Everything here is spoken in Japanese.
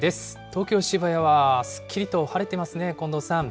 東京・渋谷はすっきりと晴れていますね、近藤さん。